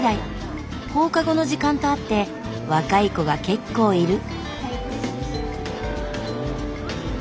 放課後の時間とあって若い子が結構いる。